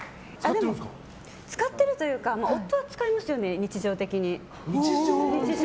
使ってるというか夫は使いますよね、日常的に。